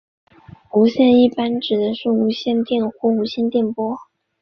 无线一般指的是无线电或无线电波。